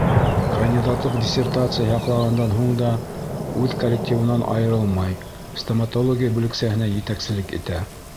Кандидатлыҡ диссертацияһы яҡлағандан һуң да үҙ коллективынан айырылмай, стоматология бүлексәһенә етәкселек итә.